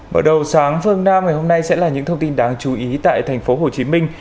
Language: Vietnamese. bởi đầu sáng phương nam ngày hôm nay sẽ là những thông tin đáng chú ý tại tp hcm